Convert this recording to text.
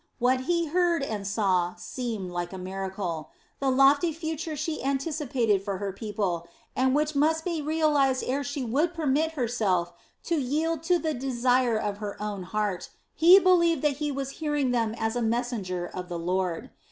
What he heard and saw seemed like a miracle. The lofty future she anticipated for her people, and which must be realized ere she would permit herself to yield to the desire of her own heart, he believed that he was hearing to them as a messenger of the Lord.